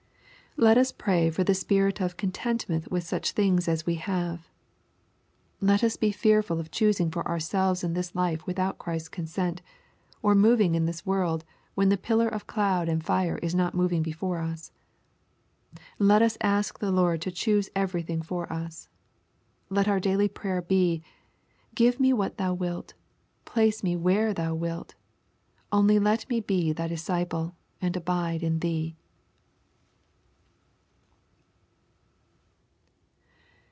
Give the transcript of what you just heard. Let us pray for the spirit of " contentment with such things as we have." Let us be fearful of choosing for ourselves in this life without Christ's consent, or moving n this world, when the pillar of cloud and fire is not moving before us. Let us ask the Lord to choose every thing for us. Let our daily prayer be, " Give me 77hat thou wilt. Place me where thou wilt. Only left me be Thy disciple and abide in Thee."